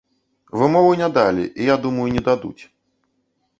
Вымову не далі, і я думаю, не дадуць.